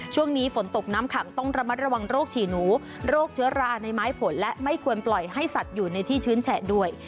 ช่วงนี้ฝนตกน้ำขังต้องระมัดระวังโรคฉี่หนูโรคเชื้อราในไม้ผลและไม่ควรปล่อยให้สัตว์อยู่ในที่ชื้นแฉะด้วย